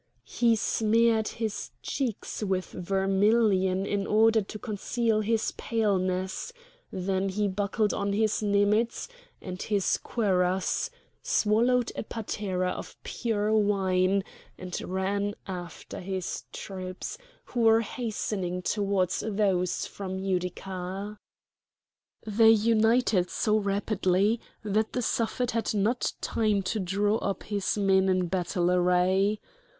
He smeared his cheeks with vermilion in order to conceal his paleness, then he buckled on his knemids and his cuirass, swallowed a patera of pure wine, and ran after his troops, who were hastening towards those from Utica. They united so rapidly that the Suffet had not time to draw up his men in battle array.